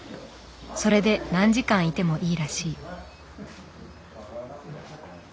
それで何時間いてもいいらしい。